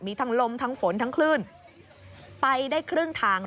มีทั้งลมทั้งฝนทั้งคลื่นไปได้ครึ่งทาง